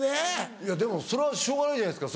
いやでもそれはしょうがないじゃないですか。